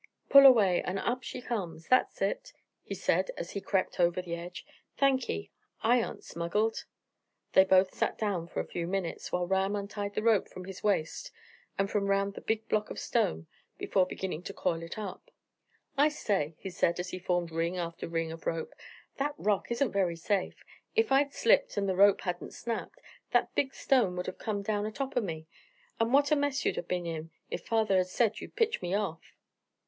Pull away, and up she comes. That's it!" he said, as he crept over the edge. "Thank'ee. I aren't smuggled." They both sat down for a few minutes, while Ram untied the rope from his waist and from round the big block of stone, before beginning to coil it up. "I say," he said, as he formed ring after ring of rope, "that rock isn't very safe. If I'd slipped, and the rope hadn't snapped, that big stone would have come down atop of me, and what a mess you'd have been in, if father had said you pitched me off!"